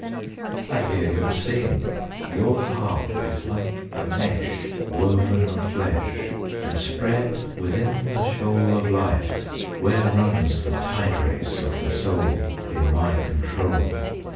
I hear him sing, "Your harp is like a mesh, Woven of flesh And spread within the shoal Of life, where runs the tide race of the soul In my control.